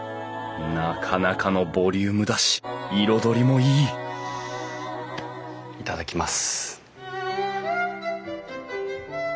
なかなかのボリュームだし彩りもいい頂きます。